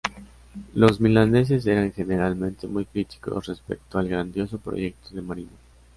Los milaneses eran generalmente muy críticos respecto al grandioso proyecto de Marino.